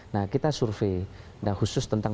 nah kita survei nah khusus tentang